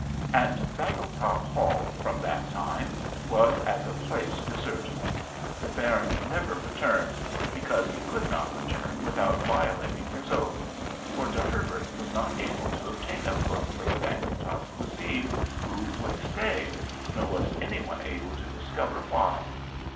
And Bangletop Hall from that time was as a place deserted. The baron never returned, because he could not return without violating his oath; for De Herbert was not able to obtain a cook for the Bangletop cuisine who would stay, nor was any one able to discover why.